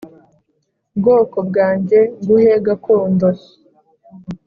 Bwoko bwange nguhe gakondo